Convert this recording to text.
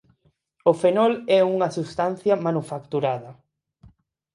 O fenol é unha substancia manufacturada.